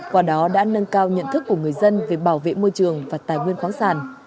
qua đó đã nâng cao nhận thức của người dân về bảo vệ môi trường và tài nguyên khoáng sản